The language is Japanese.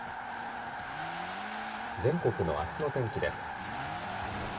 全国のあすの天気です。